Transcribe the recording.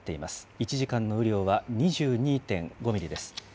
１時間の雨量は２２．５ミリです。